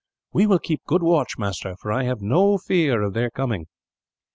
"We will keep good watch, master, but I have no fear of their coming."